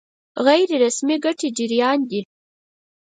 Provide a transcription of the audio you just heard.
غیر رسمي ګټې جريان دي.